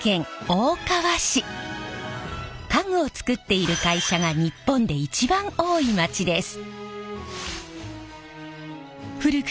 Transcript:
家具を作っている会社が日本で一番多い街です。